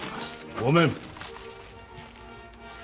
ごめん。